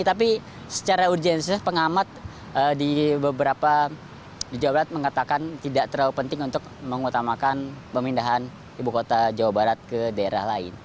tapi secara urgensius pengamat di beberapa di jawa barat mengatakan tidak terlalu penting untuk mengutamakan pemindahan ibu kota jawa barat ke daerah lain